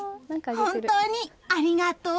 本当にありがとう！